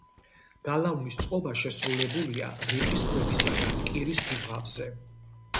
გალავნის წყობა შესრულებულია რიყის ქვებისაგან კირის დუღაბზე.